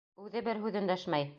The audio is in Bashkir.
Үҙе бер һүҙ өндәшмәй.